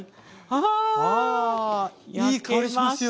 ああいい香りしますよ。